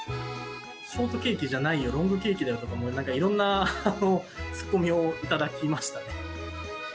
ショートケーキじゃないよ、ロングケーキだよとか、いろんな突っ込みを頂きましたね。